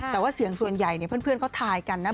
แต่ว่าส่วนใหญ่เพื่อนเขาถ่ายกันนะ